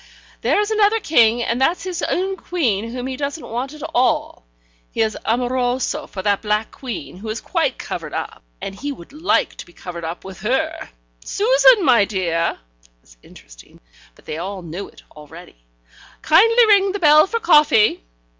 there's another king, and that's his own queen whom he doesn't want at all. He is amoroso for that black queen, who is quite covered up, and he would liked to be covered up with her. Susan, my dear" (that was interesting, but they all knew it already), "kindly ring the bell for coffee.